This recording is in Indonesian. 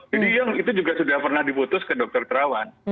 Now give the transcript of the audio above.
jadi yang itu juga sudah pernah diputus ke dr tirawan